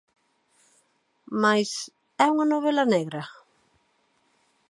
Mais..., é unha novela negra?